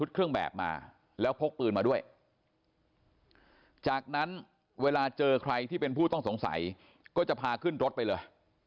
เพราะฉะนั้นเวลาเจอใครที่เป็นผู้ต้องสงสัยก็จะพาขึ้นรถไปเลย